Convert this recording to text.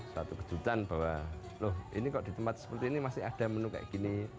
satu kejutan bahwa loh ini kok di tempat seperti ini masih ada menu kayak gini